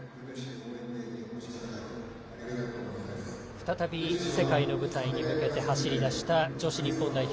再び、世界の舞台に向けて走り出した女子日本代表